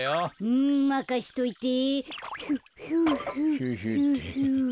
うんまかしといて。